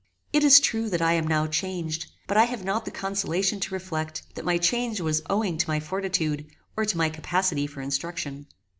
It is true that I am now changed; but I have not the consolation to reflect that my change was owing to my fortitude or to my capacity for instruction.